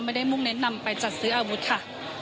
มุ่งเน้นนำไปจัดซื้ออาวุธค่ะ